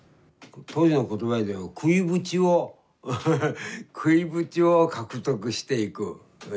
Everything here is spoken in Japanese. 当時の言葉では食いぶちを食いぶちを獲得していく。